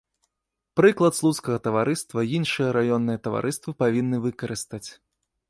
Прыклад слуцкага таварыства іншыя раённыя таварыствы павінны выкарыстаць.